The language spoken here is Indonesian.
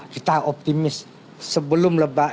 kita optimis sebelum lebaran